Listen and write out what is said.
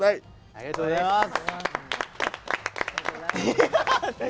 ありがとうございます。